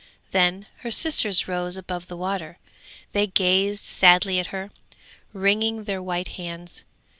Then her sisters rose above the water; they gazed sadly at her, wringing their white hands.